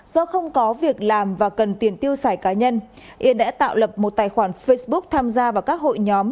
do không có việc làm và cần tiền tiêu xài cá nhân yên đã tạo lập một tài khoản facebook tham gia vào các hội nhóm